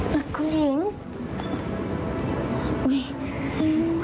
พระคุณหิว